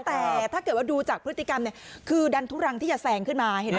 แต่ถ้าเกิดว่าดูจากพฤติกรรมคือดันทุรังที่จะแซงขึ้นมา